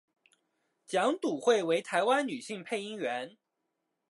蒋笃慧为台湾女性配音员。